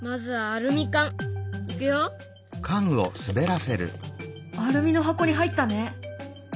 アルミの箱に入ったね。